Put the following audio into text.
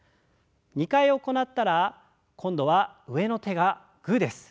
２回行ったら今度は上の手がグーです。